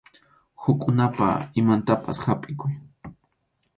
Hukkunapa imantapas hapʼikuy.